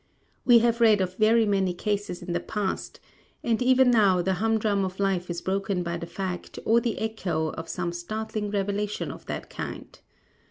We have read of very many cases in the past; and even now the hum drum of life is broken by the fact or the echo of some startling revelation of the kind.